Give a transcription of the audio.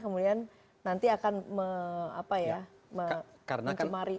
kemudian nanti akan mencumari